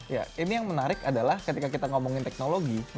ya ini yang menarik adalah ketika kita ngomongin teknologi